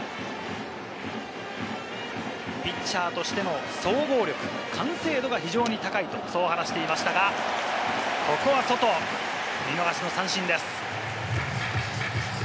ピッチャーとしての総合力・完成度が非常に高いとそう話していましたが、ここはソト、見逃しの三振です。